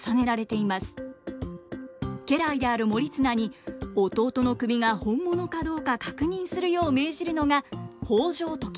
家来である盛綱に弟の首が本物かどうか確認するよう命じるのが北条時政。